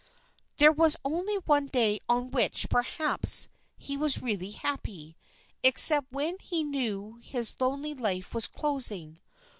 There was only one day on which, perhaps, he was really happy, except when he knew his lonely life was closing.